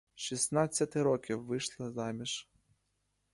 Шістнадцяти років вийшла заміж.